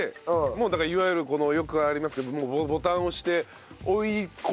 もうだからいわゆるよくありますけどボタンを押して。